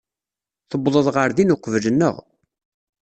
Tuwḍeḍ ɣer din uqbel-nneɣ.